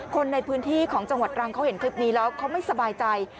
คนในพื้นที่ของจังหวัดตรังเขาเห็นคลิปนี้แล้วเขาไม่สบายใจ